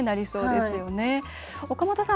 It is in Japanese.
岡本さん